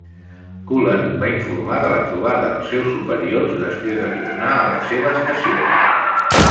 Cullen va informar de la trobada als seus superiors després de tornar a la seva estació.